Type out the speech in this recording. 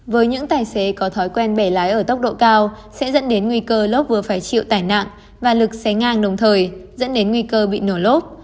với những tài xế có thói quen bẻ lái ở tốc độ cao sẽ dẫn đến nguy cơ lốp vừa phải chịu tải nặng và lực xé ngang đồng thời dẫn đến nguy cơ bị nổ lốp